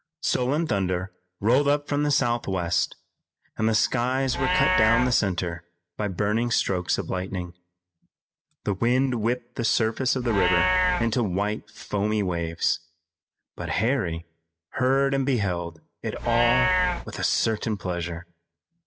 Sullen thunder rolled up from the southwest, and the skies were cut down the center by burning strokes of lightning. The wind whipped the surface of the river into white foamy waves. But Harry heard and beheld it all with a certain pleasure.